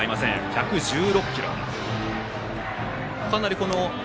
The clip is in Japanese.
１１６キロ。